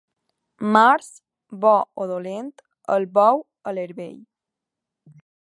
Març, bo o dolent, el bou a l'herbei.